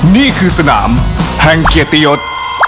นี่คือสนามแห่งเกียรติยศ